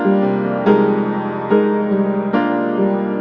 aku gak dengerin kata kata kamu mas